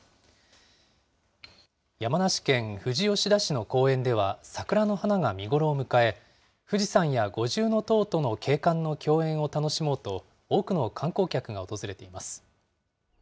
山梨県富士吉田市の公園では、桜の花が見頃を迎え、富士山や五重の塔との景観の競演を楽しもうと、多くの観光客が訪れています。